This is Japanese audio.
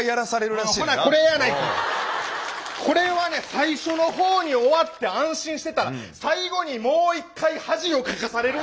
最初の方に終わって安心してたら最後にもう一回恥をかかされるんや。